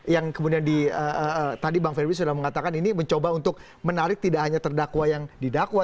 yang kemudian di tadi bang ferry sudah mengatakan ini mencoba untuk menarik tidak hanya terdakwa yang didakwa